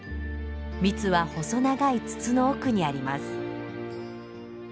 蜜は細長い筒の奥にあります。